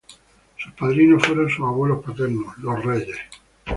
Sus padrinos fueron sus abuelos paternos, los reyes.